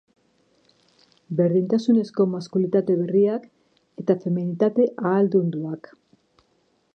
Berdintasunezko maskulinitate berriak eta feminitate ahaldunduak.